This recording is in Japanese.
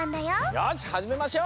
よしはじめましょう！